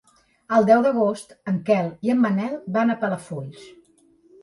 El deu d'agost en Quel i en Manel van a Palafolls.